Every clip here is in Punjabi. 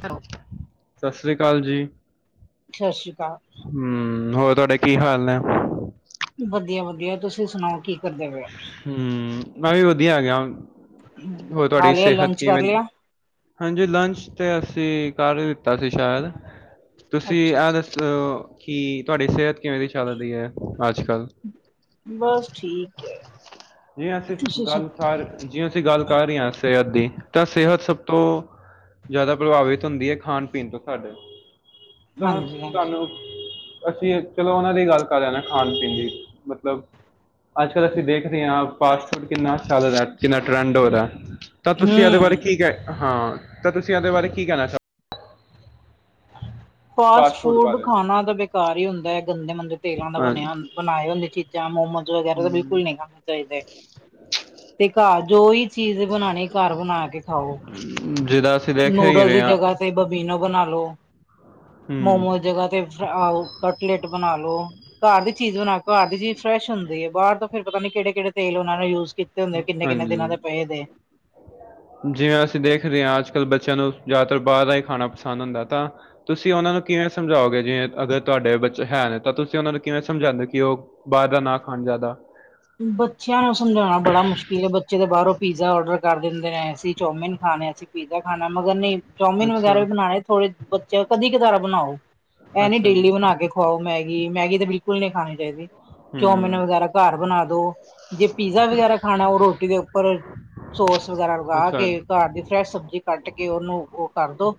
ਕਰੋ। ਸਤਿ ਸ੍ਰੀ ਅਕਾਲ ਜੀ, ਸਤਿ ਸ੍ਰੀ ਅਕਾਲ! ਹਮ ਹੋਰ ਤੁਹਾਡੇ ਕੀ ਹਾਲ ਨੇ? ਵਧੀਆ-ਵਧੀਆ ਤੁਸੀਂ? ਸੁਣਾਓ ਕੀ ਕਰਦੇ ਪਏ ਹੂੰ ਮੈਂ ਵੀ ਵਧੀਆ ਹੈ ਗਿਆ। ਹੋ ਹੋਰ ਖਾ ਤੁਹਾਡੀ ਲਿਆ ਸਿਹਤ ਲੰਚ ਕਰ ਕਿਵੇਂ? ਲਿਆ ਹਾਂਜੀ, ਲੰਚ ਤੇ ਅਸੀਂ ਕਰ ਦਿੱਤਾ ਸੀ ਸ਼ਾਇਦ। ਤੁਸੀਂ, ਅੱਛਾ ਆਹ ਅੱਛਾ ਦੱਸ ਕਿ ਤੁਹਾਡੀ ਸਿਹਤ ਕਿਵੇਂ ਦੀ ਚੱਲਦੀ ਹੈ ਅੱਜ ਕੱਲ? ਬਸ ਠੀਕ ਹੈ। ਜਿ ਅਸੀਂ ਤੁਸੀਂ ਸੁ ਗੱਲ ਸ ਜੇ ਅਸੀਂ ਗੱਲ ਕਰ ਰਹੇ ਹਾਂ ਸਵੇਰ ਦੀ ਤਾਂ ਸ ਸਿਹਤ ਸਭ ਤੋਂ ਜ਼ਿਆਦਾ ਪ੍ਰਭਾਵਿਤ ਹੁੰਦੀ ਹੈ ਖਾਣ ਪੀਣ ਤੋਂ ਸਾਡੇ ਤਾਂ ਹਾਂਜੀ ਹਾਂਜੀ ਸਾਨੂੰ ਅਸੀਂ ਚਲੋ ਉਹਨਾਂ ਦੀ ਗੱਲ ਕਰ ਰਹੇ ਨਾ ਖਾਣ ਪੀਣ ਦੀ ਮਤਲਬ ਅੱਜ ਕੱਲ ਅਸੀਂ ਦੇਖ ਰਹੇ ਹਾਂ ਫਾਸਟਫੂਡ ਕਿੰਨਾ ਚੱਲ ਰਿਹਾ ਕਿੰਨਾ ਟਰੈਂਡ ਹੋ ਰਿਹਾ ਤਾਂ ਤੁਸੀਂ ਇਹਦੇ ਬਾਰੇ ਹਮ ਕੀ ਕਹਿ ਹਾਂ ਤਾਂ ਤੁਸੀਂ ਇਹਦੇ ਬਾਰੇ ਕੀ ਕਹਿਣਾ ਚਾਹਦੇ ਫਾਸਟ ਫੂਡ ਖਾਣਾ ਤਾਂ ਬੇਕਾਰ ਹੀ ਹੁੰਦਾ ਹੈ ਗੰਦੇ ਮੰੰਦੇ ਤੇਲਾਂ ਦਾ ਹਾਂਜੀ ਬਣਿਆ ਬਣਾਏ ਹੁੰਦੀ ਚੀਜ਼ਾਂ ਮੋਮੋਜ਼ ਵਗੈਰਾ ਤਾਂ ਬਿਲਕੁਲ ਨਹੀਂ ਖਾਣੇ ਚਾਹੀਦੇ ਤੇ ਘਰ ਜੋ ਹੀ ਚੀਜ਼ ਬਣਾਣੀ ਘੱਰ ਬਣਾ ਕੇ ਖਾਓ ਜਿਹਦਾ ਅਸੀਂ ਦੇਖ ਹੀ ਨੂਡਲ ਰਹੇ ਹਾਂ ਜਗ੍ਹਾ ਤੇ ਬੈਮਬੀਨੋ ਬਣਾ ਲੋ ਮੋਮੋ ਹੂੰ ਜਗਾ ਤੇ ਫ ਕਟਲੇਟ ਬਣਾ ਲੋ ਘਰ ਦੀ ਚੀਜ਼ ਬਣਾ ਘਰ ਦੀ ਚੀਜ਼ ਫਰੈਸ਼ ਹੁੰਦੀ ਏ ਬਾਹਰ ਤੋਂ ਫੇਰ ਪਤਾ ਨੀ ਕਿਹੜੇ-ਕਿਹੜੇ ਤੇਲ ਉਹਨਾਂ ਨੇ ਯੂਜ ਕੀਤੇ ਹੁੰਦੇ ਕਿੰਨੇ-ਕਿੰਨੇ ਦਿਨਾਂ ਦੇ ਹਾਂਜੀ ਪਏ ਦੇ- ਜਿਵੇਂ ਅਸੀਂ ਦੇਖ ਰਹੇ ਹਾਂ ਅੱਜ ਕੱਲ੍ਹ ਬੱਚਿਆਂ ਨੂੰ ਜ਼ਿਆਦਾਤਰ ਬਾਹਰ ਦਾ ਹੀ ਖਾਣਾ ਪਸੰਦ ਹੁੰਦਾ ਤਾਂ ਤੁਸੀਂ ਉਹਨਾਂ ਨੂੰ ਕਿਵੇਂ ਸਮਝਾਓਗੇ ਜੇ ਅਗਰ ਤੁਹਾਡੇ ਬੱਚੇ ਹੈ ਨੇ ਤਾਂ ਤੁਸੀਂ ਉਹਨਾਂ ਨੂੰ ਕਿਵੇਂ ਸਮਝਾਉਦੇ ਹੋ ਕਿ ਉਹ ਬਾਹਰ ਦਾ ਨਾ ਖਾ ਜ਼ਿਆਦਾ ਬੱਚਿਆਂ ਨੂੰ ਸਮਝਾਉਣਾ ਬੜਾ ਮੁਸ਼ਕਿਲ ਬੱਚੇ ਦੇ ਬਾਹਰੋਂ ਪੀਜ਼ਾ ਔਡਰ ਕਰ ਦਿੰਦੇ ਨੇ ਅਸੀਂ ਚੌਮਿਨ ਖਾਣੇ ਅਸੀਂ ਪੀਜ਼ਾ ਖਾਣਾ ਮਗਰ ਨਹੀਂ ਚੌਮਿਨ ਵਗੈਰਾ ਅੱਛਾ ਵੀ ਬਣਾਣੇ ਥੋੜੇ ਬੱਚੇ ਕਦੀ ਕਦਾਰ ਬਣਾਓ ਇਹ ਨੀ ਅੱਛਾ ਜੀ ਡੇਲੀ ਬਣਾ ਕੇ ਖਾਓ ਮੈਗੀ-ਮੈਗੀ ਤੇ ਬਿਲਕੁਲ ਨਹੀਂ ਖਾਣੀ ਚਾਹੀਦੀ ਚੌਮਿਨ ਹੂੰ ਵਗੈਰਾ ਘਰ ਬਣਾ ਔ ਜੇ ਪੀਜ਼ਾ ਵਗੈਰਾ ਖਾਣਾ ਉਹ ਰੋਟੀ ਦੇ ਉੱਪਰ ਸੋਸ ਵਗੈਰਾ ਲਗਾ ਅੱਛਾ ਕੇ ਘਰ ਦੀ ਫਰੈਸ਼ ਸਬਜ਼ੀ ਕੱਟ ਕੇ ਉਹਨੂੰ ਉਹ ਕਰਦੋ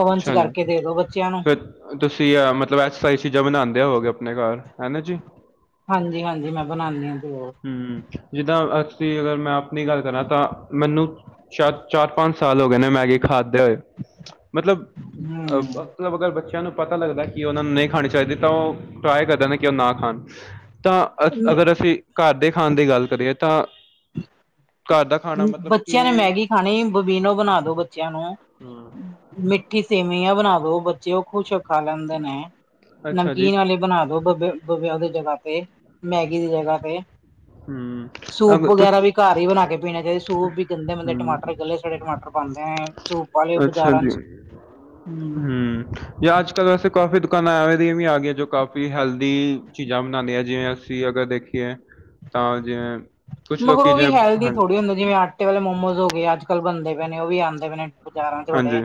ਓਵਨ ਚ ਅੱਛਾ ਜੀ ਕਰਕੇ ਦੇ ਦੋ ਬੱਚਿਆਂ ਨੂੰ ਫ ਤੁਸੀਂ ਮਤਲਬ ਐ ਸਾਰੀ ਚੀਜ਼ਾਂ ਬਣਾਉਂਦੇ ਆ ਹੋਵਗੇ ਆਪਣੇ ਘਰ ਹੈਨਾ ਜੀ ਹਾਂਜੀ ਹਾਂਜੀ ਮੈਂ ਬਣਾਉਂਦੀ ਹਾਂ ਤੇ ਉਹ ਹਮ ਜਿੱਦਾਂ ਅ ਤੇ ਅਗਰ ਮੈਂ ਆਪਣੀ ਗੱਲ ਕਰਾਂ ਤਾਂ ਮੈਨੂੰ ਚਾ-ਚਾਰ ਪੰਜ ਸਾਲ ਹੋ ਗਏ ਨੇ ਮੈਗੀ ਖਾਦ ਦੇਹੋ ਮਤਲਬ ਅ ਹਮ ਮਤਲਬ ਅਗਰ ਬੱਚਿਆਂ ਨੂੰ ਪਤਾ ਲੱਗਦਾ ਕਿ ਉਹ ਨੂੰ ਨਹੀਂ ਖਾਣੀ ਚਾਹੀਦੀ ਤਾਂ ਉਹ ਟਰਾਈ ਕਰਦੇ ਨੇ ਕਿ ਉਹ ਨਾ ਖਾਣ ਤਾਂ ਅ ਅਗਰ ਅਸੀਂ ਘਰ ਦੇ ਖਾਣ ਦੀ ਗੱਲ ਕਰੀਏ ਤਾਂ ਘਰ ਦਾ ਖਾਣਾ ਮਤਲਬ ਬੱਚਿਆਂ ਨੇ ਕਿਵੇਂ ਮੈਗੀ ਖਾਣੀ ਬਬੀਨੋ ਬਣਾ ਦੋ ਬੱਚਿਆਂ ਨੂੰ ਹੂੰ ਮਿੱ ਕਿ ਸੇਵਿਂਯਾਂ ਬਣਾ ਦੋ ਉਹ ਖੁਸ਼ ਔਖਾ ਲੈਂਦੇ ਨੇ ਹੈ ਅੱਛਾ ਜੀ ਨਮਕੀਨ ਵਾਲੇ ਬਣਾ ਦੋ ਬਬੇ ਬਬੇ ਉਹਦੇ ਜਗ੍ਹਾ ਤੇ ਮੈਗੀ ਦੀ ਜਗ੍ਹਾ ਤੇ ਹੂੰ, ਸੂਪ ਵਗੈਰਾ ਤੁਸੀਂ ਵੀ ਘਰ ਹੀ ਬਣਾ ਕੇ ਪੀਣੇ ਚਾਹੀਦਾ ਸੂਪ ਵੀ ਕਹਿੰਦੇ ਬਦੇ ਹੂੰ ਟਮਾਟਰ ਗੱਲੇ ਸੜੇ ਟਮਾਟਰ ਪਾਦੇ ਹੈ ਸੂਪ ਵਾਲੇ ਬਾਜ਼ਾਰਾਂ ਹਾਂਜੀ ਚ ਹੂੰ ਜਾਂ ਅੱਜ-ਕੱਲ ਵੈਸੇ ਕਾਫੀ ਦੁਕਾਨ ਆ ਹੋ ਵੇ ਆ ਗਈ ਜੋ ਕਾਫ਼ੀ ਹੈਲਦੀ ਚੀਜ਼ਾਂ ਬਣਾਉਂਦੇ ਆ ਜਿਵੇਂ ਅਸੀਂ ਅਗਰ ਦੇਖੀਏ ਤਾਂ ਜਿਵੇਂ ਕੁਛ ਮਗਰ ਲੋਕੀ ਉਹ ਵੀ ਜਿਵੇਂ ਹੈਲਦੀ ਹਾਂਜੀ, ਥੋੜ੍ਹੀ ਹੁੰਦੇ ਜਿਵੇਂ ਆਟੇ ਵਾਲੇ ਮੋਮੋਜ਼ ਹੋ ਗਏ ਅੱਜ-ਕੱਲ੍ਹ ਬਣਦੇ ਪਏ ਨੇ ਉਹ ਵੀ ਆਦੇ ਪਏ ਨੇ ਬਾਜ਼ਾਰਾਂ ਚ ਹਾਂਜੀ, ਹੜੇ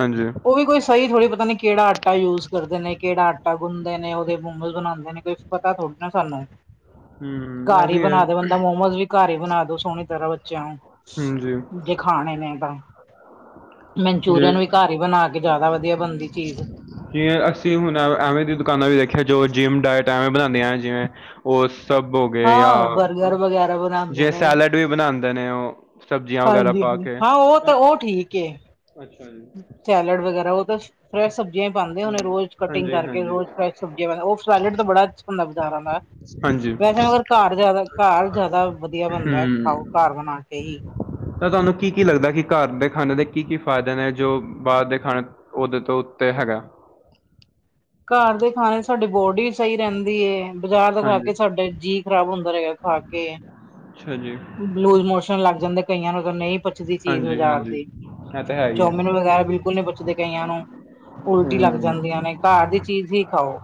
ਹਾਂਜੀ ਉਹ ਵੀ ਕੋਈ ਸਹੀ ਥੋੜੀ ਪਤਾ ਨੀ ਕਿਹੜਾ ਆਟਾ ਯੂਜ ਕਰਦੇ ਨੇ ਕਿਹੜਾ ਆਟਾ ਗੁੰਦੇ ਨੇ ਉਹਦੇ ਮੋਮਜ਼ ਬਣਾਦੇ ਨੇ ਕੁਛ ਪਤਾ ਥੋੜ੍ਹੀ ਨਾ ਸਾਨੂੰ ਹੂੰ, ਘਰ ਹੀ ਐਵੀ ਐ। ਬਣਾ ਦੇ ਬੰਦਾ ਮੋਮੋਸ ਵੀ ਘਰ ਹੀ ਬਣਾ ਦੋ ਸੋਹਣੀ ਤਰ੍ਹਾਂ ਬੱਚਿਆਂ ਨੂੰ ਹਾਂਜੀ ਜੇ ਖਾਣੇ ਨੇ ਤਾਂ ਜੇ ਮਨਚੂਰੀਅਨ ਵੀ ਘਰ ਹੀ ਬਣਾ ਕੇ ਜ਼ਿਆਦਾ ਵਧੀਆ ਬਣਦੀ ਚੀਜ਼ ਜਿਵੇਂ ਅਸੀਂ ਹੁਣ ਐ ਐਵੇਂ ਦੀ ਦੁਕਾਨਾਂ ਵੀ ਦੇਖੀਆਂ ਜੋ ਜਿੰਮ ਡਾਇਟ ਐਵੇਂ ਬਣਾਦੀਆਂ ਜਿਵੇਂ ਉਹ ਸਭ ਹੋ ਗਏ ਹਾਂ ਬਰਗਰ ਜਾਂ ਵਗੈਰਾ ਬਣਾਉਂਦੇ ਜੇ ਸੈਲਡ ਵੀ ਬਣਾਉਂਦੇ ਨੇ ਉਹ ਸਬਜ਼ੀਆਂ ਵਗੈਰਾ ਪਾ ਹਾਂਜੀ-ਹਾਂਜੀ ਕੇ ਹਾਂ ਉਹ ਤਾਂ ਉਹ ਠੀਕ ਏ ਅੱਛਾ ਜੀ ਸੈਲਡ ਵਗੈਰਾ ਉਹ ਤਾਂ ਫੈਸ਼ ਸਬਜ਼ ਇਹ ਬਣਦੇ ਹੂੰ ਹੋਨੇ ਰੋਜ਼ ਕਟਿੰਗ ਹਾਂਜੀ, ਕਰਕੇ ਹਾਂਜੀ, ਰੋਜ ਫਰੈਸ਼ ਸਬਜ਼ੀਆਂ ਪਾ ਕੇ ਉਹ ਸੈਲਡ ਦਾ ਬੜਾ ਅੱਛਾ ਲੱਗਦਾ ਹੈਗਾ ਹਾਂਜੀ ਵੈਸੇ ਮਗਰ ਘਰ ਜ਼ਿਆਦਾ ਘਰ ਜ਼ਿਆਦਾ ਵਧੀਆ ਬਣਦਾ ਹੈ ਹੂੰ ਖਾਓ ਘਰ ਬਣਾ ਕੇ ਹੀ ਤਾਂ ਤੁਹਾਨੂੰ ਕੀ ਕੀ ਲੱਗਦਾ ਕਿ ਘਰ ਦੇ ਖਾਣੇ ਦੇ ਕੀ ਕੀ ਫਾਇਦੇ ਨੇ ਜੋ ਬਾਹਰ ਦੇ ਖਾਣੇ ਉਹਦੇ ਤੋਂ ਉੱਤੇ ਹੈਗਾ ਘਰ ਦੇ ਖਾਣੇ ਸਾਡੀ ਬੋਡੀ ਵੀ ਸਹੀ ਰਹਿੰਦੀ ਏ। ਬਾਜ਼ਾਰ ਦਾ ਖਾ ਹਾਂਜੀ ਕੇ ਸਾਡਾ ਜੀਅ ਖ਼ਰਾਬ ਹੁੰਦਾ ਰਹੇਗਾ ਖਾ ਕੇ, ਅੱਛਾ ਜੀ ਲੂਜ ਮੋਸ਼ਨ ਲੱਗ ਜਾਂਦੇ ਕਈਆਂ ਨੂੰ ਤਾਂ ਨਹੀਂ ਪਚਦੀ ਚੀਜ਼ ਹਾਂਜੀ ਬਾਜ਼ਾਰ ਹਾਂਜੀ ਦੀ- ਇਹ ਤਾਂ ਹੈ ਹੀ ਆ ਚੌਮਿਨ ਵਗੈਰਾ ਬਿਲਕੁਲ ਨਹੀਂ ਪਚਦੇ ਕਈਆਂ ਨੂੰ ਉਲਟੀ ਲੱਗ ਹੂੰ ਜਾਂਦੀਆਂ ਨੇ ਘਰ ਦੀ ਚੀਜ਼ ਹੀ ਖਾਓ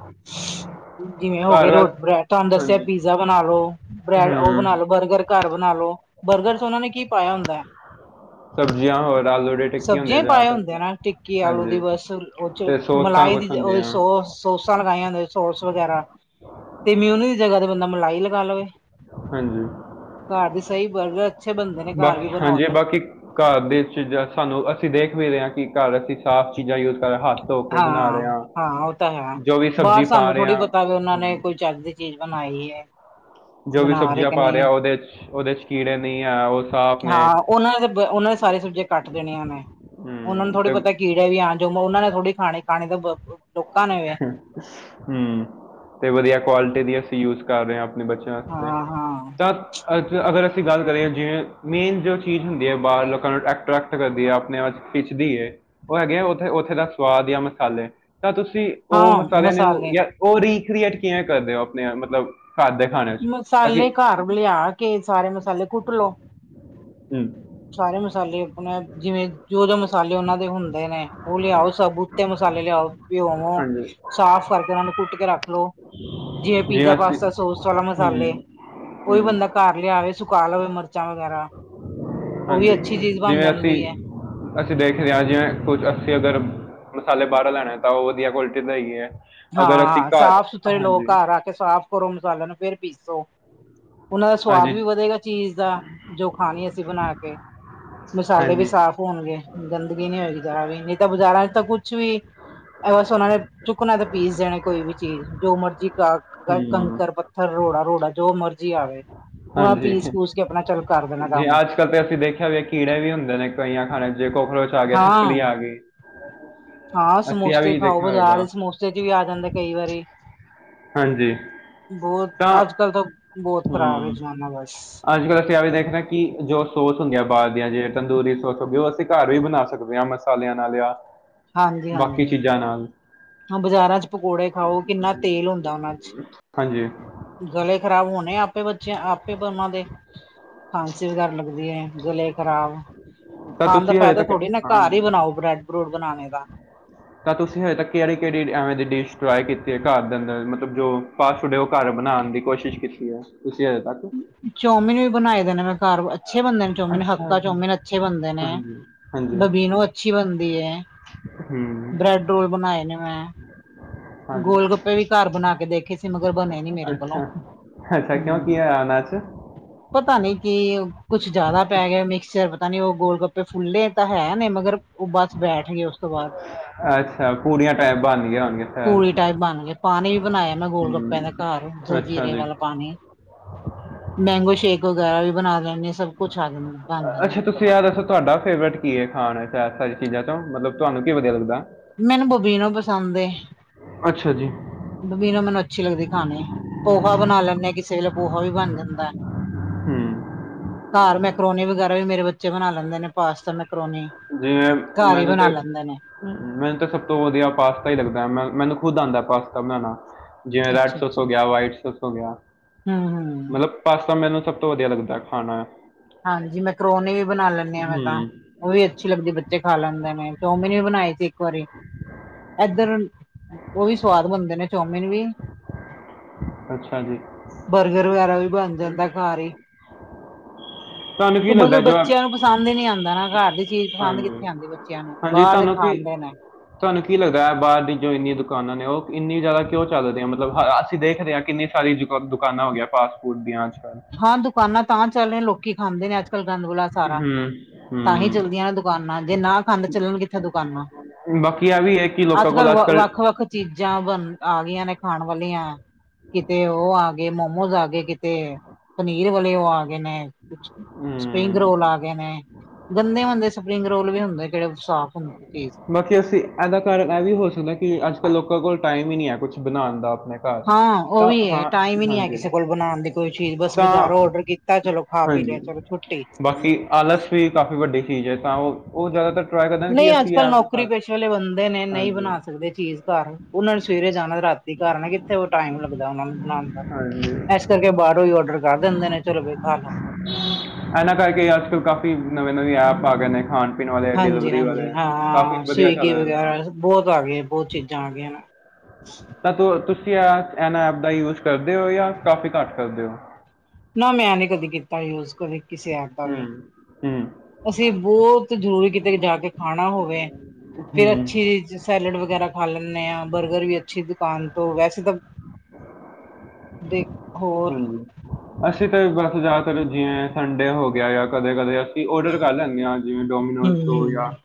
ਜਿਵੇਂ ਹੋ ਘਰ ਗਏ ਵਾ ਰੋ ਬ੍ਰੈੱਡ, ਤੁਹਾਨੂੰ ਦੱਸਿਆ ਹਾਂਜੀ ਪੀਜ਼ਾ ਬਣਾਲੋ ਲੋ ਬ੍ਰੈਡ ਹੂੰ ਉਹ ਬਣਾਲੋ ਬਰਗਰ, ਘਰ ਬਣਾ ਲੋ ਬਰਗਰ ਚ ਉਹਨਾਂ ਨੇ ਕੀ ਪਾਇਆ ਹੁੰਦਾ ਹੈ। ਸਬਜ਼ੀਆਂ ਹੋਰ ਆਲੂ ਦੇ ਟਿੱਕੀ ਹੁੰਦੀ ਆ ਸਬਜ਼ੀਆਂ ਪਾਏ ਜ਼ਿਆਦਾਤਰ ਹੁੰਦੇ ਆ ਤੇ। ਨਾ ਟਿੱਕੀ ਆਲੂ ਹਾਂਜੀ ਦੀ ਬੱਸ ਉਹ ਚ ਤੇ ਸੋਸਾਂ ਕੁਝ ਮਲਾਈ। ਹੁੰਦੀਆਂ ਸੋਸ ਸੋਸਾ ਲਗਾਈਆਂ। ਸੋਸ ਵਗੈਰਾ ਤੇ ਮਿਉਨੀ ਦੀ ਜਗ੍ਹਾ ਤੇ ਬੰਦਾ ਮਲਾਈ ਲਗਾ ਲਵੇ। ਹਾਂਜੀ। ਘਰ ਦੀ ਸਹੀ ਬਰਗਤ ਬਾਕੀ ਹਾਂਜੀ ਬਾਕੀ ਘਰ ਦੇ ਚ ਸਾਨੂੰ ਅਸੀਂ ਦੇਖ ਵੀ ਰਹੇ ਹਾਂ ਕਿ, ਘਰ ਅਸੀਂ ਸਾਫ਼ ਚੀਜ਼ਾਂ ਯੂਜ ਕਰ ਰ ਹੱਥ, ਧੋ ਕੇ ਬਣਾ ਰਹੇ ਹਾਂ-ਹਾਂ ਹਾਂ ਹੋ ਤਾਂ ਹੈ। ਜੋ ਵੀ ਸਬਜ਼ੀ ਬਾਹਰ ਪਾ ਸਾਨੂੰ ਰਹੇ ਥੋੜੀ ਹਾਂ ਪਤਾ ਵੀ ਉਹਨਾਂ ਨੇ ਹੂੰ ਕੋਈ ਚੱੱਕ ਦੀ ਚੀਜ਼ ਬਣਾਈ ਹੈ। ਜੋ ਵੀ ਬਣਾ ਰਹੇ ਸਬਜ਼ੀਆਂ ਕਿ ਪਾ ਨਹੀਂ ਰਿਹਾ ਉਹਦੇ ਚ ਉਹਦੇ ਚ ਕੀੜੇ ਨਹੀਂ ਹੈ ਉਹ ਸਾਫ਼ ਨੇ। ਸਾਰਿਆ ਸਬਜੀਆ ਕਟ ਕੇ, ਦੇਣੀਆਂ ਨੇ ਉਹਨਾਂ ਨੂੰ ਹੂੰ ਥੋੜੀ ਤੇ ਪਤਾ ਕੀੜੇ ਵੀ ਆ ਜੋ ਉਹਨਾਂ ਨੇ ਥੋੜੀ ਖਾਣੀ ਤਾਂ, ਲੋਕਾਂ ਨੇ ਵੇ ਹੂੰ, ਤੇ ਵਧੀਆ ਕੁਆਲਿਟੀ ਦੀ ਅਸੀਂ ਯੂਜ ਕਰ ਰਹੇ ਹਾਂ। ਆਪਣੇ ਬੱਚਿਆਂ ਵਾ ਹਾਂ ਹਾਂ ਤਾਂ ਅਗਰ। ਅਸੀਂ ਗੱਲ ਕਰੀਏ ਜਿਵੇਂ ਮੇਨ ਜੋ ਚੀਜ਼ ਹੁੰਦੀ ਹੈ ਬਾਹਰ ਲੋਕਾਂ ਨੂੰ ਐਟਰੈਕਟ ਕਰਦੀ ਹੈ ਆਪਣੇ ਆਪ ਪਿਛਦੀ ਹੈ। ਉਹ ਹੈਗੇ ਆ ਉੱਥੇ-ਉੱਥੇ ਦਾ ਸਵਾਦ ਜਾਂ ਮਸਾਲੇ ਤਾਂ ਤੁਸੀਂ, ਤੁਸੀਂ ਉਹ ਹਾਂ ਮਸਾਲਿਆਂ ਨੂੰ ਮਸਾਲੇ ਜਾਂ ਉਹ ਰੀਕ੍ਰੀਏਟ ਕਿਵੇਂ ਕਰਦੇ ਹੋ ਆਪਣੇ ਮਤਲਬ, ਘਰ ਦੇ ਖਾਣੇ 'ਚ ਤਾਂ ਕਿ ਮਸਾਲੇ ਘਰ ਲਿਆ ਕੇ ਸਾਰੇ ਮਸਾਲੇ ਕੁੱਟ ਲੋ। ਹੂੰ ਸਾਰੇ ਮਸਾਲੇ, ਜਿਵੇਂ ਜੋ-ਜੋ ਮਸਾਲੇ ਉਹਨਾਂ ਦੇ ਹੁੰਦੇ ਨੇ ਉਹ ਲਿਆਓ ਸਬੂਤੇ ਮਸਾਲੇ ਲਿਆਓ। ਘਿਓ ਨੂੰ ਹਾਂਜੀ ਸਾਫ਼ ਕਰਕੇ ਉਹਨਾ ਨੂੰ ਕੁੱਟ ਕੇ ਰੱਖ ਲੋਓ ਜਿਵੇਂ ਪੀਜ਼ਾ ਪਾਸਤਾ ਸੋ ਸੋਲਾ ਹੂੰ ਮਸਾਲੇ ਉਹੀ ਹੂੰ ਬੰਦਾ ਘਰ ਲਿਆਵੇ ਸੁਕਾ ਲਵੇ ਮਿਰਚਾਂ ਵਗੈਰਾ। ਉਹ ਵੀ ਹਾਂਜੀ, ਅੱਛੀ ਚੀਜ਼ ਬਣ ਜਿਵੇਂ ਅਸੀਂ, ਜਾਂਦੀ ਹੈ ਅਸੀਂ ਦੇਖਦੇ ਹਾਂ ਜਿਵੇਂ ਕੁਝ ਅਸੀਂ ਅਗਰ, ਮਸਾਲੇ ਬਾਹਰੋ ਲੈਣੇ ਹੈ ਤਾਂ ਉਹ ਵਧੀਆ ਕੁਆਲਿਟੀ ਦਾ ਲਈ ਏ, ਹਾਂ ਸਾਫ ਸੁਥਰੇ ਲੋਕ ਘਰ ਆ ਕੇ ਸਾਫ਼ ਕਰੋ ਮਸਾਲਿਆਂ ਨੂੰ ਫਿਰ ਪੀਸੋ। ਉਹਨਾਂ ਦਾ ਹਾਂਜੀ ਸਵਾਦ ਵੀ ਵਧੇਗਾ ਚੀਜ਼ ਦਾ ਜੋ ਖਾਣੀ ਅਸੀਂ ਬਣਾ ਕੇ, ਮਸਾਲੇ ਵੀ ਹਾਂਜੀ ਸਾਫ਼ ਹੋਣਗੇ ਗੰਦਗੀ ਨਹੀਂ ਹੋਏਗੀ ਜਰਾ ਵੀ ਨਹੀਂ ਤਾਂ ਬਾਜ਼ਾਰਾਂ ਚ ਤਾਂ ਕੁਛ ਵੀ ਇਹ ਬਸ ਉਹਨਾਂ ਨੇ ਚੁੱਕਣਾ ਤੇ ਪੀਸ ਦੇਣੇ ਕੋਈ ਵੀ ਚੀਜ਼ ਜੋ ਮਰਜ਼ੀ ਕਾ ਹੂੰ ਕੰਕਰ ਪੱਥਰ ਰੋੜਾ ਰੋੜਾ ਜੋ ਮਰਜ਼ੀ ਜੀ ਆਵੇ। ਹਾਂਜੀ ਚੱਲ ਕਰ ਦੇਣਾ ਜੀ, ਕੰਮ ਅੱਜ ਕੱਲ੍ਹ ਤੇ ਅਸੀਂ ਦੇਖਿਆ ਵੀ ਕੀੜੇ ਵੀ ਹੁੰਦੇ ਨੇ ਕਈਆਂ ਖਾਣੇ ਜੇ ਕੋਕਰੋਚ ਆ ਗਿਆ, ਸ਼ਿਪਕਲੀ ਹਾਂ ਆ ਗਈ। ਹਾਂ ਅਸੀਂ ਆ ਸਮੋਸੇ ਵੀ ਖਾਓ ਦੇਖਿਆ ਹੋਏਗਾ ਬਜ਼ਾਰ ਸਮੋਸੇ ਚ ਵੀ ਆ ਜਾਂਦੇ ਕਈ ਵਾਰੀ‌। ਹਾਂਜੀ। ਤਾਂ ਤਾਂ ਬਹੁਤ ਖ਼ਰਾਬ ਹੈ ਹਮ ਜ਼ਮਾਨਾ ਬਸ ਅੱਜ-ਕੱਲ ਅਸੀਂ ਆ ਵੀ ਦੇਖਣਾ ਕਿ ਜੋ ਅ ਸੋਸ ਹੁੰਦਾ। ਜਾਂ ਬਾਹਰ ਦੀਆਂ ਜੇ ਤੰਦੂਰੀ ਸੋਸ ਹੋਗੀ ਉਹ ਅਸੀਂ ਘਰ ਵੀ ਬਣਾ ਸਕਦੇ ਹਾਂ ਮਸਾਲਿਆਂ ਨਾਲ ਆ। ਹਾਂਜੀ ਬਾਕੀ ਹਾਂਜੀ ਚੀਜ਼ਾਂ ਨਾਲ, ਹਾਂ ਬਾਜ਼ਾਰਾਂ ਚ ਪਕੌੜੇ ਖਾਓ ਕਿੰਨਾ ਤੇਲ ਹ ਹੁੰਦਾ ਉਹਨਾਂ ਚ ਹਾਂਜੀ ਗਲੇ ਖ਼ਰਾਬ ਹੋਣੇ ਆਪ, ਆਪੇ ਬੱਚਿਆਂ ਆਪੇ ਪਰ ਉਹਨਾਂ ਦੇ ਖਾਂਸੀ ਵਗੈਰਾ ਲੱਗਦੀ ਹੈ। ਗਲੇ ਖਰਾਬ ਤਾਂ ਖਾਣ ਦਾ ਤੁਸੀਂ ਹਜੇ ਫਾਇਦਾ ਤੱਕ ਥੋੜੀ ਨਾ ਘਰ ਹੀ ਹਾਂਜੀ ਬਣਾਓ ਬ੍ਰੈਡ ਬਰੂਡ ਬਣਾਣੇ ਤਾਂ, ਤਾਂ ਤੁਸੀਂ ਹਜੇ ਤਕ ਕ ਕਿਹੜੀ ਐਵੇਂ ਦੀ ਡਿਸ਼ ਟਰਾਈ ਕੀਤੀ ਹੈ ਘਰ ਦੇ ਅੰਦਰ ਮਤਲਬ ਜੋ ਫਾਸਟ ਫੂਡ ਹੈ ਉਹ ਘਰ ਬਣਾਉਣ ਦੀ ਕੋਸ਼ਿਸ਼ ਕੀਤੀ ਹੈ। ਤੁਸੀਂ ਹਜੇ ਤੱਕ ਚੌਮਿਨ ਵੀ ਬਣਾਏ ਦੇ ਨੇ ਮੈਂ ਘਰ ਅੱਛੇ, ਬਣਦੇ ਨੇ ਚੌਮਿਨ ਅੱਛਾ ਹੱਕਾ ਜੀ, ਚੌਮਿਨ ਅੱਛੇ ਬਣਦੇ ਨੇ ਹਾਂਜੀ ਹਾਂਜੀ ਬਬਿਨੋ ਅੱਛੀ ਬਣਦੀ ਹੈ। ਹੂੰ ਬ੍ਰੈਡ ਰੋਲ ਬਨਾਏ ਨੇ ਮੈ ਹਾਂਜੀ ਗੋਲ ਗੱਪੇ ਵੀ ਘਰ ਬਣਾ ਕੇ ਦੇਖੇ ਸੀ ਮਗਰ ਬਨੇ ਨੀ ਮੇਰੇ ਕੋਲੋ ਅੱਛਾ ਅੱਛਾ, ਕਿਉ ਕੀ ਹੋਇਆ ਓਹਨਾ ਚ ਪਤਾ ਨੀ ਕਿ ਕੁੱਛ ਜਿਆਦਾ ਪੈ ਗਿਆ, ਮਿਕਸਚਰ ਪਤਾ ਨੀ ਉਹ ਗੋਲ ਗੱਪ ਫੁੱਲੇ ਤਾ ਹੈ ਨੇ ਮਗਰ ਉਹ ਬੱਸ ਬੈਠ ਗਏ, ਉਸ ਤੋ ਬਾਦ ਅੱਛਾ ਪੂਰੀਆਂ ਟਾਈਪ ਬਣ ਗਿਆ ਹੋਣਗੇ ਸ਼ਾਇਦ ਪੂਰੀ ਟਾਈਪ ਬਣ ਗਏ ਪਾਣੀ ਵੀ ਬਣਾਇਆ ਮੈਂ ਗੋਲ ਗੱਪਿਆ ਦਾ ਹੂੰ ਘਰ ਅੱਛਾ ਜਲਜੀਰੇ ਜੀ ਵਾਲਾ ਪਾਣੀ ਮੈਂਗੋ ਸ਼ੇਕ ਵਗੈਰਾ ਵੀ ਬਣਾ ਲੈਨੀ। ਅੱਛਾ ਤੁਸੀ ਐ ਦੱਸੋ ਤੁਹਾਡਾ ਫੇਵਰੇਟ ਕੀ ਐ ਖਾਣ ਚ ਸਾਰੀ ਚੀਜਾ ਤੋ ਮਤਲਬ ਤੁਹਾਨੂੰ ਕੀ ਵਧੀਆ ਲਗਦਾ। ਮੈਨੂੰ ਬਬੀਨੋ ਪਸੰਦ ਏ। ਅੱਛਾ ਜੀ। ਬਬੀਨੋ ਮੈਨੂੰ ਅੱਛੀ ਲੱਗਦੀ ਖਾਣੀ ਪੋਹਾ ਬਣਾ ਲੈਂਦੇ ਹਾਂ ਕਿਸੇ ਵੇਲੇ ਪੋਹਾ ਵੀ ਬਣ ਜਾਂਦਾ। ਹੂੰ। ਘਰ ਮੈਕਰੋਨੀ ਵਗੈਰਾ ਵੀ ਮੇਰੇ ਬੱਚੇ ਬਣਾ ਲੈਂਦੇ ਨੇ ਪਾਸਤਾ ਮੈਂ ਜਿਵੇ ਮੈਨੂੰ ਤੇ ਨੇ ਮੈਨੂੰ ਤੇ ਸਭ ਤੋ ਵਧੀਆ ਪਾਸਤਾ ਹੀ ਲਗਦਾ ਮ ਮੈਨੂੰ ਖੁਦ ਆਦਾ ਪਾਸਤਾ ਬਣਾਣਾ। ਜਿਵੇ ਰੈੱਡ ਅੱਛਾ ਸੌਸ ਅੱਛਾ ਹੋ ਗਿਆ, ਵਾਈਟ ਸੋਸ ਹੋ ਗਿਆ। ਹਮ ਹਮ ਮਤਲਬ ਪਾਸਤਾ ਮੈਨੂੰ ਸਭ ਤੋ ਵਧੀਆ ਲਗਦਾ ਖਾਣਾ। ਹਾਂਜੀ ਮਮੈਕਰੋਨੀ ਵੀ ਬਣਾ ਲੈਨੀ ਆ ਮੈਂ ਤਾ, ਹੂੰ ਉਹ ਵੀ ਅੱਛੀ ਬੱਚੇ ਖਾ ਲੈਂਦੇ ਨੇ ਚਯੋਮਿਨ ਵੀ ਬਣਾਏ ਸੀ ਇੱਕ ਵਰੀ ਏਧਰ ਉਹ ਵੀ ਸਵਾਦ ਬਣਦੇ ਨੇ ਚੌ [unintelligible] ਅੱਛਾ ਜੀ ਬਰਗਰ ਵਗੈਰਾ ਵੀ ਬਣ ਜਾਂਦੈ ਘਰ ਈ। [unintelligible] ਮਗਰ ਬੱਚਿਆ ਨੂੰ ਪਸੰਦ ਈ ਨੀ ਆਂਦਾ ਨਾ ਘਰ ਦੀ ਚੀਜ਼ ਪਸੰਦ ਕਿੱਥੇ ਹਾਂਜੀ ਆਦੀ ਬੱਚਿਆਂ ਨੂੰ ਬਾਹਰ ਦੇ ਖਾਂਦੇ ਨੇ। ਥੋਨੂੰ ਕੀ ਲਗਦੈ ਬਾਹਰ ਦੀ ਜੋ ਇੰਨੀਆਂ ਦੁਕਾਨਾਂ ਨੇ ਉਹ ਇੰਨੀ ਜਿਆਦਾ ਕਿਉ ਚੱਲ ਰਹੀਆ ਮਤਲਬ ਅਸੀ ਦੇਖਦੇ ਆ ਕਿੰਨੀ ਸਾਰੀ ਦੁਕਾਨਾਂ ਹੋ ਗਿਆ ਫਾਸਟ ਫੂਡ ਦੀਆਂ ਅੱਜਕੱਲ ਹਾਂ ਦੁਕਾਨਾ ਤਾਂ ਚੱਲ ਰਹੀਆ ਲੋਕੀ ਖਾਂਦੇ ਨੇ ਅੱਜ ਕੱਲ ਗੰਦ ਬਲਾ ਸਾਰਾ। ਹੂੰ ਤਾਹੀਂ ਚੱਲਦੀਆ ਹੂੰ ਨੇ ਦੁਕਾਨਾਂ ਜੇ ਨਾ ਖਾਂਦੇ ਚੱਲਣ ਕਿੱਥੇ ਦੁਕਾਨਾ ਬਾਕੀ ਆ ਵੀ ਹੈ ਕਿ ਲੋਕਾਂ ਅੱਜ-ਕੱਲ ਕੋਲ ਵ ਵੱਖ-ਵੱਖ ਚੀਜਾ ਬਣਨ ਆਗਈਆ ਨੇ। ਖਾਣ ਵਾਲੀਆ, ਕਿਤੇ ਉਹ ਆ ਗਏ ਮੋਮੋਸ ਆ ਗਏ ਕਿਤੇ ਪਨੀਰ ਵਾਲੇ ਓ ਆ ਗਏ ਨੇ, ਸਪਰਿੰਗ ਹੂੰ ਰੋਲ ਆ ਗਏ ਨੇ। ਗੰਦੇ ਮੰਦੇ ਸਪਰਿੰਗ ਰੋਲ ਵੀ ਹੁੰਦੇ ਕਿਹੜੇ ਸਾਫ਼ ਹੁੰਦੇ। ਚੀਜ਼ ਬਾਕੀ ਅਸੀ ਇਹਦਾ ਕਾਰਨ ਇਹ ਵੀ ਹੋ ਸਕਦਾ ਕਿ ਅੱਜ-ਕੱਲ ਲੋਕਾਂ ਕੋਲ ਟਾਈਮ ਹੀ ਨਹੀਂ ਹੈ ਕੁੱਛ ਬਣਾਉਣ ਦਾ। ਆਪਣੇ ਘਰ ਹਾਂ, ਉਹ ਤਾਂ ਵੀ ਹੈ ਹਾਂ ਟਾਈਮ ਹੀ ਨੀ ਹੈ ਹਾਂਜੀ ਕਿਸੇ ਕੋਲ ਬਣਾਉਣ ਦੀ ਕੋਈ ਚੀਜ਼, ਬਸ ਤਾਂ ਬਜਾਰੋ ਓਰਦਰ ਕੀਤਾ ਚਲੋ ਖਾ ਪੀ ਲਿਆ ਹਾਂਜੀ, ਚਲੋ ਛੁੱਟੀ ਬਾਕੀ ਆਲਸ ਵੀ ਕਾਫ਼ੀ ਵੱਡੀ ਚੀਜ਼ ਐ ਤਾਂ ਉਹ ਉਹ ਜ਼ਿਆਦਾਤਰ ਟਰਾਈ ਕਰਦੇ ਐ ਕਿ ਅਸੀਂ ਪਰ ਐਵੇਂ ਨੌਕਰੀ ਹਾਂ ਪੇਸ਼ੇ ਵਾਲੇ ਬੰਦੇ ਨੇ ਨਹੀ ਹਾਂਜੀ ਬਣਾ ਸਕਦੇ ਚੀਜ਼ ਘਰ ਉਹਨਾ ਨੇ ਸਵੇਰੇ ਜਾਣਾ ਰਾਤੀ ਘਰ ਆਣਾ ਕਿੱਥੇ? ਟਾਈਮ ਲਗਦਾ ਉਹਨਾ ਨੂੰ ਬਣਾਉਣ ਦਾ ਹਾਂਜੀ ਇਸ ਕਰਕੇ ਬਾਹਰੋ ਹੀ ਔਡਰ ਕਰ ਦਿੰਦੇ ਨੇ ਚਲੋ ਬਈ ਖਾਲੋ। ਇਹਨਾ ਕਰਕੇ ਅੱਜ-ਕੱਲ ਕਾਫ਼ੀ ਨਵੇਂ-ਨਵੇਂ ਐਪ ਆ ਗਏ ਨੇ, ਖਾਣ- ਪੀਣ ਵਾਲੇ ਹਾਂਜੀ ਡਿਲਵਰੀ ਹਾਂਜੀ ਵਾਲੇ। ਹਾਂ ਕਾਫ਼ੀ ਵਧੀਆ ਚੱਲ ਸਵੀਗੀ ਰਹੇ ਨੇ ਵਗੈਰਾ ਉਹ ਬਹੁਤ ਆ ਗਏ ਬਹੁਤ ਚੀਜ਼ਾ ਆ ਗਈਆ ਨ ਤਾਂ ਤੁ ਏਹਨਾ ਐਪ ਦਾ ਯੂਜ ਕਰਦੇ ਓ ਜਾਂ ਕਾਫੀ ਘੱਟ ਕਰਦੇ ਓ। ਨਾ ਮੈਂ ਨੀ ਕਦੇ ਕੀਤਾ ਈ ਯੂਜ ਕਦੇ ਕਿਸੇ ਐਪ ਦਾ ਹੂੰ ਵੀ। ਹੂੰ ਅਸੀ ਬਹੁਤ ਜਰੂਰੀ ਕਿਤੇ ਜਾ ਕੇ ਖਾਣਾ ਹੋਵੇ ਫਿਰ ਹੂੰ ਅੱਛੀ ਸੈਲਡ ਵਗੈਰਾ ਖਾ ਲੈਨੇ ਆ ਬਰਗਰ ਵੀ ਅੱਛੀ ਦੁਕਾਨ ਤੋ ਵੈਸੇ ਤਾਂ [inaudible] ਦੇਖੋ। ਅਸੀ 'ਤੇ ਬਸ ਜਿਆਦਾਤਰ ਜਿਵੇ ਸੰਡੇ ਹੋ ਗਿਆ ਜਾਂ ਕਦੇ-ਕਦੇ ਅਸੀ ਔਡਰ ਕਰ ਲੈਨੇ ਆ। ਜਿਵੇ ਡੋਮੀਨੋਜ ਤੋ ਜਾਂ ਹੂੰ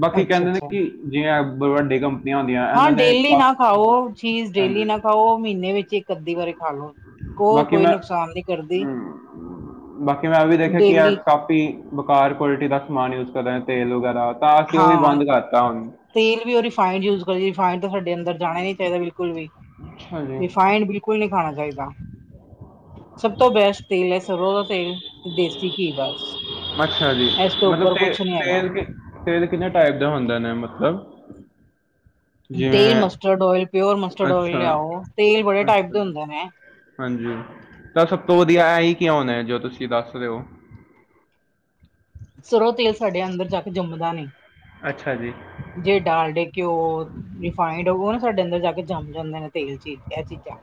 ਬਾਕੀ ਅੱਛਾ ਕਹਿੰਦੇ ਨੇ ਅੱਛਾ ਕਿ ਜਿਵੇ ਵੱਡੀ ਕਪ ਹਾਂ ਡੇਲੀ ਨਾ ਖਾਓ ਚੀਜ਼ ਡੇਲੀ ਹਾਂਜੀ ਨਾ ਖਾਓ। ਮਹੀਨੇ ਵਿੱਚ ਇੱਕ ਇੱਕ ਅੱਧੀ ਵਾਰੀ ਖਾ ਲਓ ਉਹ ਬਾਕੀ ਕੋਈ ਮੈਂ ਨੁਕਸਾਨ ਨੀ ਕਰਦੀ। ਹਮ, ਬਾਕੀ ਮੈਂ ਇਹ ਵੀ ਦੇਖਿਆ ਕਿ ਆ ਡੇਲੀ ਕਾਫੀ ਵੈਕਾਰ ਕੁਆਲਿਟੀ ਦਾ ਸਮਾਨ ਯੂਜ ਕਰ ਰਿਹਾ ਹੈ। ਤੇਲ ਵਗੈਰਾ ਤਾਂ ਅਸੀਂ ਉਹ ਵੀ ਹਾਂ ਬੰਦ ਕਰਤਾ ਹੁਣ ਤੇਲ ਵੀ ਉਹ ਰਿਫਾਇਡ ਯੂਜ ਕਰਿਏ ਰਿਫਾਇਡ ਸਾਡੇ ਅੰਦਰ ਜਾਣਾ ਹੀ ਨੀ ਚਾਹੀਦਾ ਹੈ। ਬਿਲਕੁਲ ਬਿਲਕੁਲ ਅੱਛਾ ਜੀ ਵੀ ਰਿਫਾਈਡ ਬਿਲਕੁਲ ਨਹੀਂ ਖਾਣਾ ਚਾਹੀਦਾ ਹੈ। ਸਭ ਤੋਂ ਬੈਸਟ ਤੇਲ ਹੈ, ਸਰ੍ਹੋਂ ਦਾ ਤੇਲ ਦੇਸ ਸੀ ਘੀ ਬਸ, ਅੱਛਾ ਜੀ ਐਸੇ ਤੋਂ ਮਤਲਬ ਉੱਪਰ ਤੇ- ਕੁਛ ਨਹੀਂ ਹੈਗਾ। ਤੇਲ ਕਿ ਤੇਲ ਕਿੰਨੇ ਟਾਈਪ ਦਾ ਹੁੰਦਾ ਨੇ ਮਤਲਬ? ਤੇਲ ਜਿਵੇਂ mustard oil pure mustard oil ਅੱਛਾ ਲਿਆਓ। ਤੇਲ ਬੜੇ ਟਾਈਪ ਅੱਛਾ ਦੇ ਜੀ ਹੁੰਦੇ ਨੇ? ਤੇ ਇਹ ਹੈ ਕਿਹਾ ਹੋਣਾ ਜੋ ਤੁਸੀਂ ਦੱਸ ਰਹੇ ਹੋ। ਸਰ੍ਹੋਂ ਤੇਲ ਸਾਡੇ ਅੰਦਰ ਜਾ ਕੇ ਜੰਮਦਾ ਨਹੀਂ ਅੱਛਾ ਜੀ ਜੇ ਡਾਲ ਡੇ ਘਿਓ ਹੋਰ ਰਿਫਾਈਡ ਉਹ ਨਾ ਸਾਡੇ ਅੰਦਰ ਜਾ ਕੇ ਜੰਮ ਜਾਂਦੇ ਨੇ ਤੇਲ 'ਚ ਇਹ ਚੀਜ਼ਾਂ।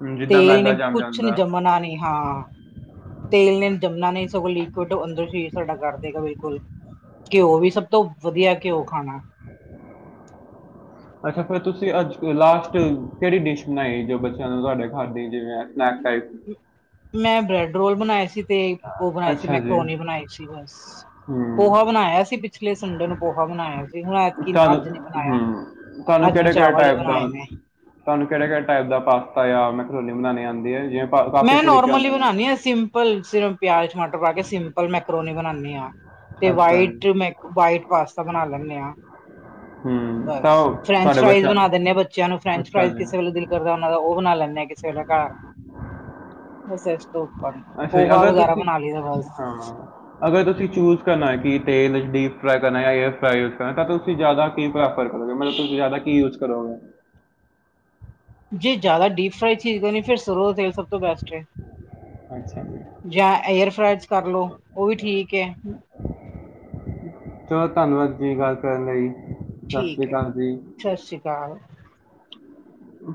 ਹੁਣ ਜਿੱਦਾਂ ਤੇਲ ਨੇ ਮੈਦਾ ਜੰਮ ਕੁਛ ਨਹੀਂ ਜਾਂਦਾ ਜੰਮਣਾ ਨੀ ਹਾਂ। ਤੇਲ ਨੇ ਜੰਮਣਾ ਨਹੀਂ, ਸਗੋਂ ਲਿਕੁਡ ਅੰਦਰੋਂ ਹੀ ਸਾਡਾ ਕੱਢ ਦੇ ਗਿਆ ਬਿਲਕੁਲ, ਘਿਓ ਵੀ ਸਭ ਤੋਂ ਵਧੀਆ ਘਿਓ ਖਾਣਾ। ਅੱਛਾ, ਫਿਰ ਤੁਸੀਂ ਅੱਜ ਲਾਸਟ ਕਿਹੜੀ ਡਿਸ਼ ਬਣਾਈ ਜੋ ਬੱਚਿਆਂ ਨੂੰ ਤੁਹਾਡੇ ਖਾਦੀ ਜਿਵੇਂ ਸਨੈਕਸ ਮੈਂ ਬਰੈੱਡ ਰੋਲ ਬਣਾਏ ਸੀ। ਤੇ ਉਹ ਬਣਾਏ ਸੀ ਅੱਛਾ ਜੀ ਮੈਂਕਰੋਨੀ ਬਣਾਈ ਸੀ ਬਸ। ਪੋਹਾ ਹੂੰ ਬਣਾਇਆ ਸੀ ਪਿਛਲੇ ਸੰਡੇ ਨੂੰ ਪੋਹਾ ਬਣਾਇਆ ਸੀ। ਹੁਣ ਐਤਕੀ ਤੁਹਾਨੂੰ ਅੱਜ ਨਹੀਂ ਬਣਾਇਆ। ਹੂੰ ਤੁਹਾਨੂੰ ਅੱਜ ਮੈਂ ਕਿਹੜੇ -ਕਿਹੜੇ ਚਾਵਲ ਹੀ ਟਾਈਪ ਦਾ ਬਣਾਏ ਨੇ ਤੁਹਾਨੂੰ ਕਿਹੜੇ-ਕਿਹੜੇ ਟਾਈਪ ਦਾ ਪਾ ਪਾਸਤਾ ਜਾਂ ਮੈਂਕਰੋਨੀ ਬਣਾਉਣੀ ਆਉਂਦੀ ਹੈ, ਜਿਵੇਂ ਪਾ- ਕਾਫੀ ਮੈਂ ਤਰੀਕੇ ਨੋਰਮਲੀ ਹੁੰਦੇ ਨੇ ਬਣਾਉਂਦੀ ਹਾਂ ਸਿੰਪਲ ਸਿਰਫ ਪਿਆਜ, ਟਮਾਟਰ ਪਾ ਕੇ ਸਿੰਪਲ ਮੈਕਰੋਨੀ ਬਣਾਉਦੀ ਹਾਂ। ਤੇ ਅੱਛਾ ਜੀ ਵਾਈਟ ਮੈਂ ਵਾਈਟ ਪਾਸਤਾ ਬਣਾ ਲੈਂਦੇ ਹਾਂ। ਹੂੰ। ਤਾਂ ਬਸ ਉਹ ਫਰੈਂਚ ਤੁਹਾਡੇ ਫਰਾਈਜ਼ ਬੱਚਾ ਬਣਾ ਦਿੰਦੇ ਆ ਬੱਚਿਆਂ ਨੂੰ, ਫਰੈਂਚ ਅੱਛਾ ਫਰਾਈਜ਼ ਜੀ ਕਿਸੇ ਵੇਲੇ ਦਿਲ ਕਰਦਾ ਉਹਨਾ ਦਾ ਉਹ ਬਣਾ ਲੈਂਦੇ ਆ ਕਿਸੇ ਵੇਲੇ ਘਰ। ਅੱਛਾ ਜੀ। ਅੱਛਾ ਜੀ, ਅਗਰ ਤੁਸੀਂ ਬਸ ਹਾਂ ਅਗਰ ਤੁਸੀਂ ਚੂਜ਼ ਕਰਨਾ ਕਿ ਤੇਲ ਡੀਪ ਫਰਾਈ ਕਰਨਾ ਜਾਂ ਏਰ ਫਰਾਈ ਯੂਜ ਕਰਨਾ ਤਾਂ ਤੁਸੀਂ ਜ਼ਿਆਦਾ ਕੀ ਪ੍ਰੈਫਰ ਕਰੋਗੇ ਮਤਲਬ ਤੁਸੀਂ ਜ਼ਿਆਦਾ ਕੀ ਯੂਜ ਕਰੋਗੇ? ਜੇ ਜ਼ਿਆਦਾ ਡੀਪ ਫਰਾਈਡ ਚੀਜ਼ ਕਰਨੀ ਹੈ। ਫਿਰ ਸਰੋ ਦਾ ਤੇਲ ਸਭ ਤੋਂ ਬੈਸਟ ਹੈ। ਅੱਛਾ ਜੀ ਜਾਂ ਏਅਰਫਰਾਈਰਸ ਕਰ ਲਉ ਉਹ ਵੀ ਠੀਕ ਹੈ। ਚਲੋ ਧੰਨਵਾਦ ਜੀ ਗੱਲ ਕਰਨ ਲਈ। ਸਤਿ ਠੀਕ ਸ਼੍ਰੀ ਹੈ ਅਕਾਲ ਜੀ ਸਤਿ ਸ੍ਰੀ ਅਕਾਲ। ਹੂੰ।